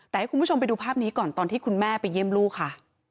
แต่ให้คุณผู้ชมไปดูภาพนี้ก่อนตอนที่คุณแม่ไปเยี่ยมลูกค่ะ